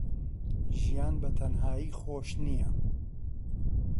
ژیان بەتەنهایی خۆش نییە.